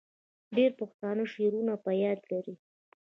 ډیری پښتانه شعرونه په یاد لري.